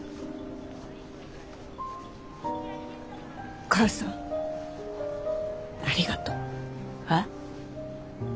お母さんありがとう。え？